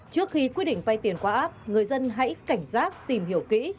trước khi quyết định vay tiền qua app người dân hãy cảnh giác tìm hiểu kỹ